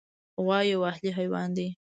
غوا یو اهلي حیوان دی.